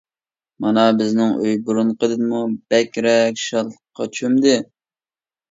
مانا بىزنىڭ ئۆي بۇرۇنقىدىنمۇ بەكرەك شادلىققا چۆمدى.